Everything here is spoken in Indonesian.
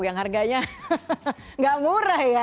yang harganya nggak murah ya